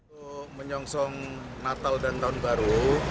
untuk menyongsong natal dan tahun baru